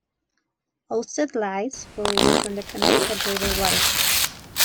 Alstead lies fully within the Connecticut River watershed.